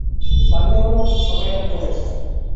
ভাগ্নে, মনে হচ্ছে সবাই এটার জন্যই এসেছে।